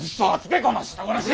この人殺し！